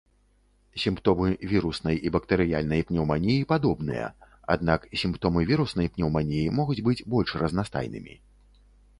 Сімптомы віруснай і бактэрыяльнай пнеўманіі падобныя, аднак сімптомы віруснай пнеўманіі могуць быць больш разнастайнымі.